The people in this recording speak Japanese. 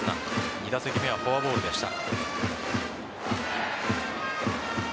２打席目はフォアボールでした。